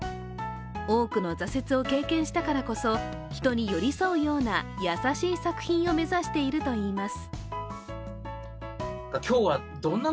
多くの挫折を経験したからこそ、人に寄り添うような優しい作品を目指しているといいます。